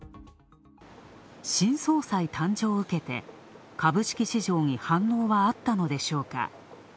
新総裁誕生を受けて、株式市場に反応はあったのでしょうか。